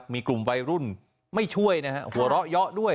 มีกลุ่มวัยรุ่นไม่ช่วยนะฮะหัวเราะเยาะด้วย